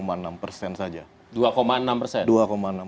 mendingan ngomongin via valet ya